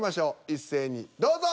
一斉にどうぞ。